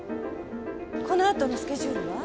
この後のスケジュールは？